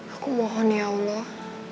aku mohon ya allah